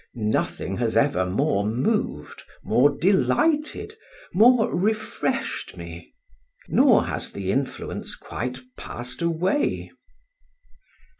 Nothing has ever more moved, more delighted, more refreshed me; nor has the influence quite passed away.